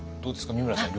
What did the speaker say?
美村さん